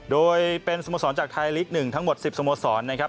โดยเป็นสมศรกล์ทายลีกส์๑ทั้งหมด๑๐สมศรนะครับ